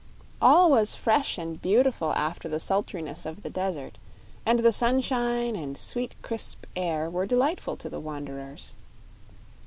All was fresh and beautiful after the sultriness of the desert, and the sunshine and sweet, crisp air were delightful to the wanderers.